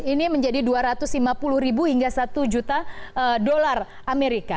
ini menjadi dua ratus lima puluh ribu hingga satu juta dolar amerika